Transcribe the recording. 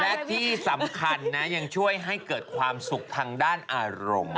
และที่สำคัญนะยังช่วยให้เกิดความสุขทางด้านอารมณ์